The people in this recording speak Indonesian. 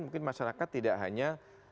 mungkin masyarakat tidak hanya